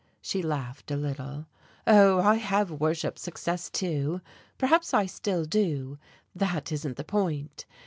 She laughed a little. "Oh, I have worshipped success, too. Perhaps I still do that isn't the point.